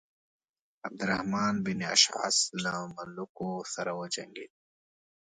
عبدالرحمن بن اشعث له ملوکو سره وجنګېد.